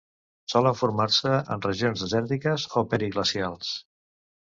Solen formar-se en regions desèrtiques o periglacials.